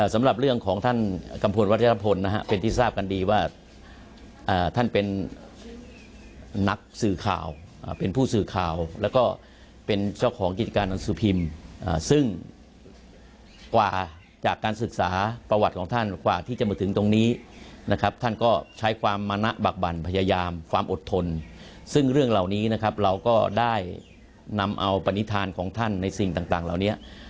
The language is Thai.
ทานของท่านในสิ่งต่างเหล่านี้